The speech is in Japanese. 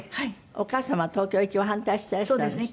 お母様は東京行きは反対していらしたんですって？